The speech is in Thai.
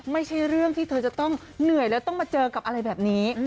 ไม่ใช่เรื่องที่เธอจะต้องเหนื่อยแล้วต้องมาเจอกับอะไรแบบนี้